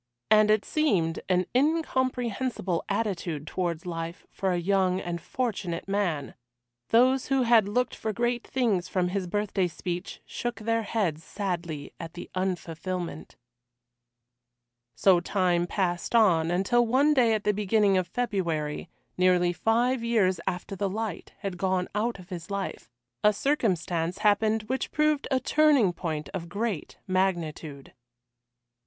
And it seemed an incomprehensible attitude towards life for a young and fortunate man. Those who had looked for great things from his birthday speech shook their heads sadly at the unfulfilment. So time passed on, until one day at the beginning of February, nearly five years after the light had gone out of his life, a circumstance happened which proved a turning point of great magnitude.